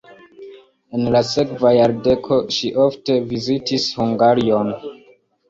En la sekva jardeko ŝi ofte vizitis Hungarion.